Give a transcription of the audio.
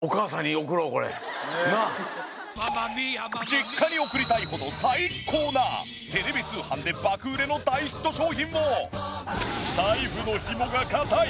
実家に送りたいほど最高なテレビ通販で爆売れの大ヒット商品を。